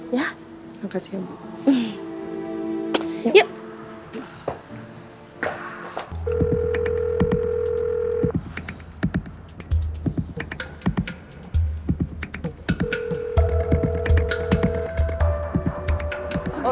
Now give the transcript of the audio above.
yaudah sekarang kita makan lagi